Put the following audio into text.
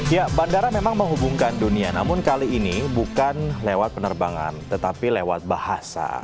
ya bandara memang menghubungkan dunia namun kali ini bukan lewat penerbangan tetapi lewat bahasa